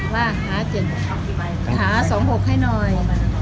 ว่าหา๒หกให้หน่อย